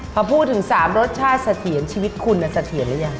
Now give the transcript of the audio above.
พอพูดถึง๓รสชาติเสถียรชีวิตคุณเสถียรหรือยัง